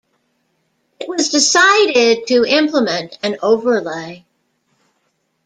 It was decided to implement an overlay.